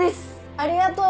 ありがとう